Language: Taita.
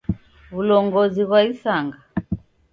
W'ulongozi ghwa isanga.